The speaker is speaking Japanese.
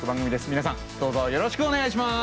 みなさんどうぞよろしくお願いします。